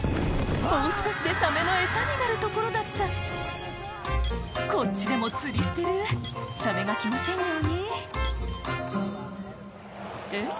もう少しでサメのエサになるところだったこっちでも釣りしてるサメが来ませんようにえっ？